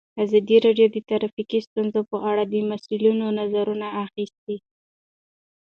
ازادي راډیو د ټرافیکي ستونزې په اړه د مسؤلینو نظرونه اخیستي.